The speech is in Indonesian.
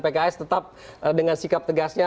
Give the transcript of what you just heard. pks tetap dengan sikap tegasnya